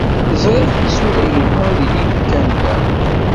Ẓriɣ tisura-inu ad ilint kan da.